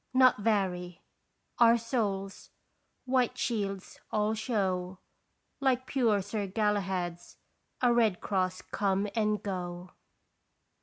" Nor vary Our souls, white shields, all show Like pure Sir Galahed's A red cross come and go.